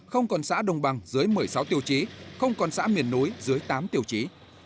không còn xã đồng bằng dưới một mươi sáu tiêu chí không còn xã miền núi dưới tám tiêu chí